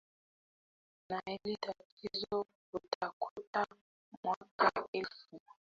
na hili tatizo utakuta mwaka elfu mbili na tano watu milioni tano hawakupiga kura